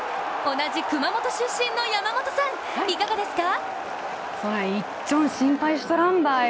同じ熊本出身の山本さん、いかがですか？